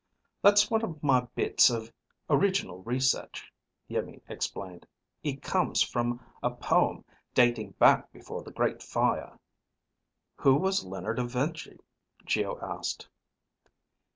"That's one of my bits of original research," Iimmi explained. "It comes from a poem dating back before the Great Fire." "Who was Leonard of Vinci?" Geo asked.